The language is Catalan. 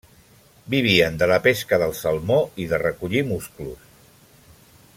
Vivien de la pesca del salmó i de recollir musclos.